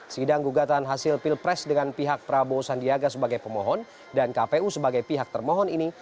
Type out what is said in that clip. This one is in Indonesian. sidang gugatan hasil pilpres dengan pihak prabowo sandiaga sebagai pemohon dan kpu sebagai pihak termohon ini